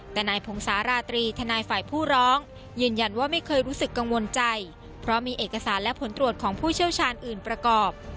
แต่นายพงศาลาตรีทนายฝ่ายผู้ร้องยืนยันว่าไม่เคยรู้สึกกังวลใจเพราะมีเอกสารและผลตรวจของผู้เชี่ยวชาญอื่นประกอบ